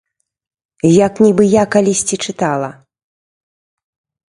Як нібы я калісьці чытала.